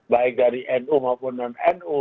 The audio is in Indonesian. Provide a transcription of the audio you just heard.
baik dari nu maupun non nu